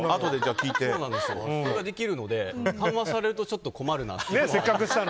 それができるので緩和されるとちょっと困るなっていう。